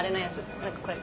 何かこれ。